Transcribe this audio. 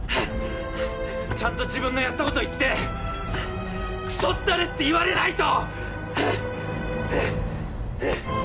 ちゃんと自分のやったこと言ってクソったれって言われないと！